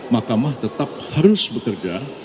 mahkamah tetap harus bekerja